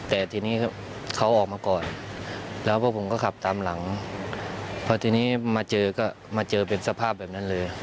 แต่ทีนี้เขาออกมาก่อนแล้วพวกผมก็ขับตามหลังพอทีนี้มาเจอก็มาเจอเป็นสภาพแบบนั้นเลย